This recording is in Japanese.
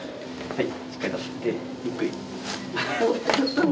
はい。